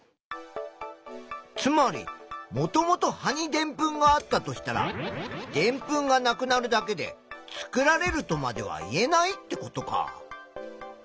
つまりもともと葉にでんぷんがあったとしたらでんぷんがなくなるだけで作られるとまでは言えないってことか。